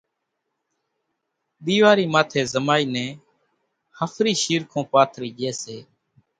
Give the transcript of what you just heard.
ۮيوارِي ماٿيَ زمائِي نين ۿڦرِي شيرکون پاٿرِي ڄي سي